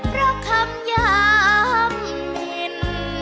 เพราะคำยามพิน